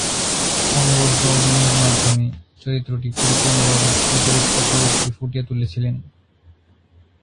অনবদ্য অভিনয়ের মাধ্যমে চরিত্রটি পরিপূর্ণভাবে দিলীপ চক্রবর্তী ফুটিয়ে তুলেছিলেন।